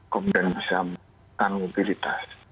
kemudian bisa mengurangkan mobilitas